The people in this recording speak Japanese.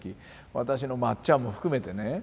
私のまっちゃんも含めてね。